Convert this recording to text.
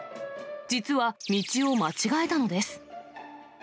実は、道を間違えたのです。